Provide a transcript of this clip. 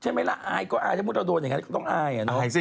ใช่ไหมล่ะอายก็อายถ้ามุติเราโดนอย่างนั้นก็ต้องอายสิ